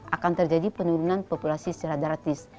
akan terjadi penurunan populasi secara dratis